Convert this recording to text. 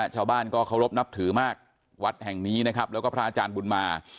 ชาวบ้านก็เคารพนับถือมากวัดแห่งนี้นะครับแล้วก็พระอาจารย์บุญมา